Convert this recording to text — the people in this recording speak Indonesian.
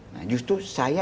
nah justru saya